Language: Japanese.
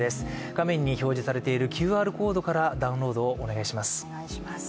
画面に表示されているＱＲコードからダウンロードをお願いします。